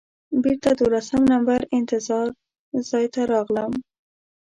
بېرته دولسم نمبر انتظار ځای ته راغلم.